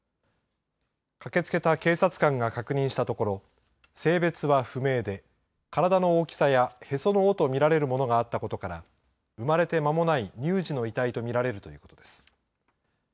駆けつけた警察官が確認したところ性別は不明で体の大きさやへその緒とみられるものがあったことから生まれてまもない乳児の遺体とみられるということです。